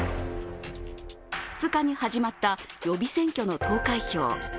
２日に始まった予備選挙の投開票。